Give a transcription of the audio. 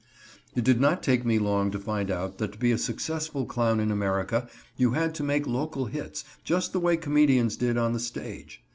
It did not take me long to find out that to be a successful clown in America you had to make local hits, just the way comedians did on the stage.